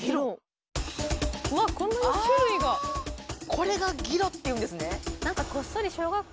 これがギロっていうんですね。